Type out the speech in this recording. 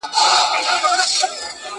خپل مالونه په ناحقه مه اخلئ.